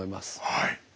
はい。